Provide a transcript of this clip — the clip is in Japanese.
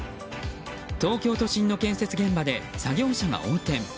東京都心の建設現場で作業車が横転。